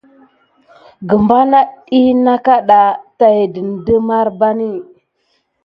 Guma net dik na kaɗa tät didine marbani.